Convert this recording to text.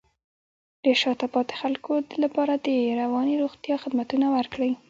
د شاته پاتې خلکو لپاره د رواني روغتیا خدمتونه ورکړئ.